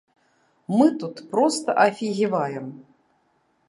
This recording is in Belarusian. Мы тут проста афігеваем!